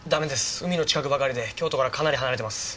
海の近くばかりで京都からはかなり離れてます。